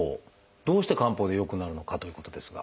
どうして漢方で良くなるのかということですが。